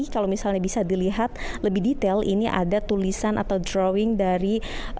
kalau misalnya bisa dilihat lebih detail ini ada tulisan atau drawing dari